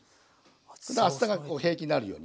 厚さが平均になるように。